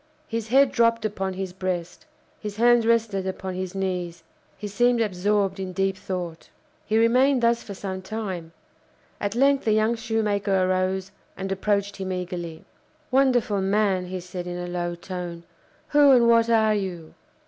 His head dropped upon his breast; his hands rested upon his knees; he seemed absorbed in deep thought. He remained thus for some time. At length the young shoemaker arose and approached him eagerly. "Wonderful man!" he said, in a low tone. "Who and what are you?"